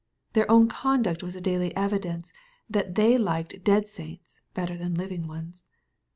Their own conduct was a daily evidence that they liked dead saints better than living ones.